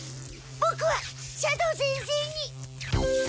ボクは斜堂先生に。